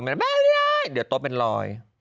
ไม่เลยเป็นไรเดี๋ยวโทรเป็นลอย